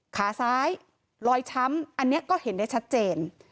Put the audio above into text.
ขาซ้ายลอยช้ำอันนี้ก็เห็นได้ชัดเจน